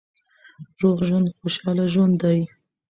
روغ ژوند خوشاله ژوند دی.